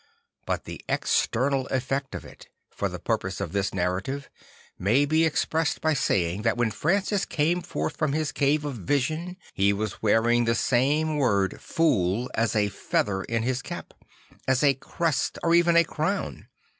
But the external effect of it, for the purpose of this narrative, may be expressed by saying that when Francis came forth from his cave of vision, he was wearing the same word " fool " as a feather in his cap; as a crest or even a crown.